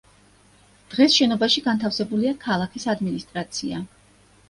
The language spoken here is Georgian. დღეს შენობაში განთავსებულია ქალაქის ადმინისტრაცია.